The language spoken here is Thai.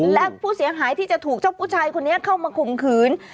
และผู้เสียหายที่จะถูกเจ้าผู้ชายคนนี้เข้ามาข่มขืน